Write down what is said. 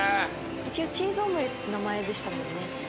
一応チーズオムレツって名前でしたもんね。